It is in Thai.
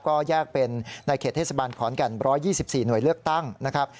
ก็แยกเป็นในเขตเทศบาลขอนแก่น๑๒๔หน่วยเลือกตั้งนะครับ